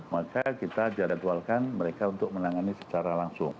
maka kita diadatulkan mereka untuk menangani secara langsung